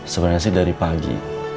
sebenernya sih dari pagi